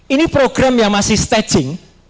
ini program yang masih statching